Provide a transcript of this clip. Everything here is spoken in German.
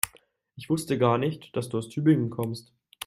Ich wusste gar nicht, dass du aus Tübingen kommst